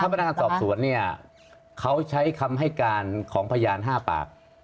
ถ้าพนักศาสตร์สวนเขาใช้คำให้การของพญานห้าปาก